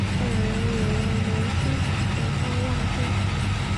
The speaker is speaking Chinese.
代表人物有牟兴甲和方万春。